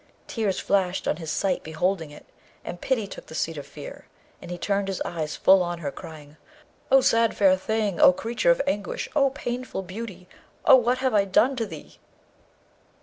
Tears flashed on his sight beholding it, and pity took the seat of fear, and he turned his eyes full on her, crying, 'O sad fair thing! O creature of anguish! O painful beauty! Oh, what have I done to thee?'